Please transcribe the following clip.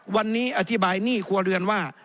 วันนี้อธิบายหนี้ครัวเรือนว่า